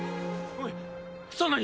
おい！